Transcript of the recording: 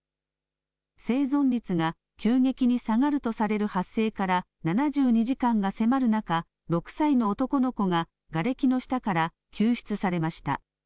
生存率が急激に下がるとされる発生から７２時間が迫る中、６歳の男の子ががれきの下から救出されました。